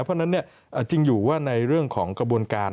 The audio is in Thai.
เพราะฉะนั้นจริงอยู่ว่าในเรื่องของกระบวนการ